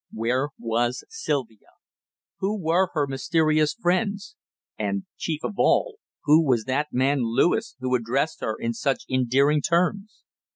Where was Sylvia? Who were her mysterious friends? And, chief of all, who was that man Lewis who addressed her in such endearing terms?